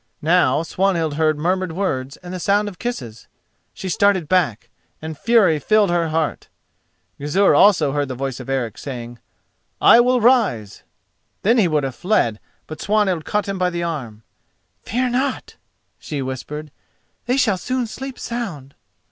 Now Swanhild heard murmured words and the sound of kisses. She started back, and fury filled her heart. Gizur also heard the voice of Eric, saying: "I will rise." Then he would have fled, but Swanhild caught him by the arm. "Fear not," she whispered, "they shall soon sleep sound."